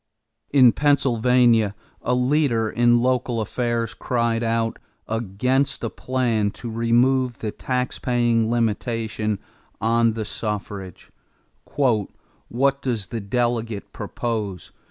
In Pennsylvania, a leader in local affairs cried out against a plan to remove the taxpaying limitation on the suffrage: "What does the delegate propose?